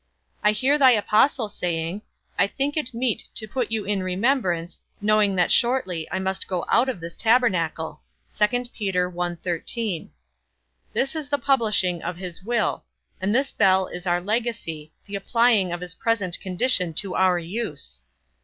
I hear thy apostle saying, I think it meet to put you in remembrance, knowing that shortly I must go out of this tabernacle: this is the publishing of his will, and this bell is our legacy, the applying of his present condition to our use.